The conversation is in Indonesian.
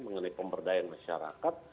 mengenai pemberdayaan masyarakat